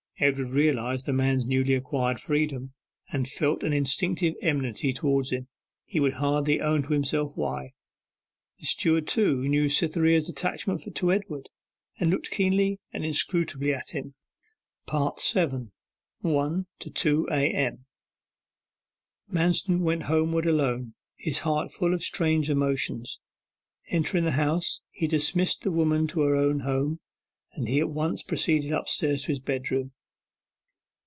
Edward realized the man's newly acquired freedom, and felt an instinctive enmity towards him he would hardly own to himself why. The steward, too, knew Cytherea's attachment to Edward, and looked keenly and inscrutably at him. 7. ONE TO TWO A.M. Manston went homeward alone, his heart full of strange emotions. Entering the house, and dismissing the woman to her own home, he at once proceeded upstairs to his bedroom.